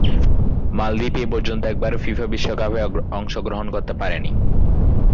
মালদ্বীপ এপর্যন্ত একবারও ফিফা বিশ্বকাপে অংশগ্রহণ করতে পারেনি।